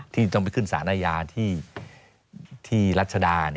ที่ต้องไปขึ้นสารอาญาที่รัชดา